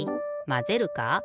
まぜるか？